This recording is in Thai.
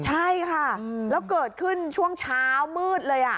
ใช่ค่ะแล้วเกิดขึ้นช่วงเช้ามืดเลย